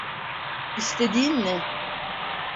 İstediğin ne?